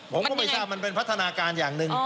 ผมก็ไม่ทราบมันเป็นพัฒนาการอย่างหนึ่ง